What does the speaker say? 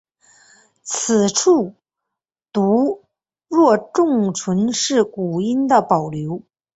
此处读若重唇是古音的保留。